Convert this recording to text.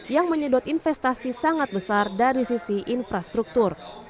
yang menyedot investasi sangat besar dari sisi infrastruktur